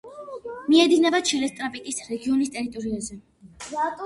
მიედინება ჩილეს ტარაპაკის რეგიონის ტერიტორიაზე.